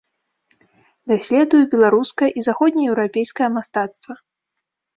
Даследуе беларускае і заходнееўрапейскае мастацтва.